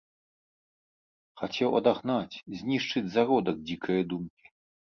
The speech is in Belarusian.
Хацеў адагнаць, знішчыць зародак дзікае думкі.